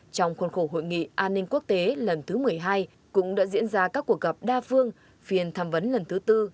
trong khuôn khổ hội nghị an ninh quốc tế lần thứ một mươi hai cũng đã diễn ra các cuộc gặp đa phương phiền tham vấn lần thứ tư